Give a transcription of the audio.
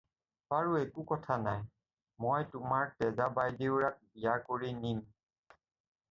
বাৰু একো কথা নাই, মই তোমাৰ তেজা বাইদেউৰাক বিয়া কৰি নিম।